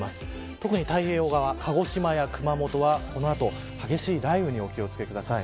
特に太平洋側、鹿児島や熊本はこの後激しい雷雨にお気を付けください。